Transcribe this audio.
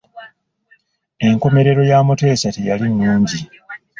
Enkomerero ya Muteesa teyali nnungi.